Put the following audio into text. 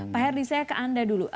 pak herdi saya ke anda dulu